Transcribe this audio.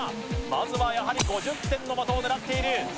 まずは、やはり５０点の的を狙っている。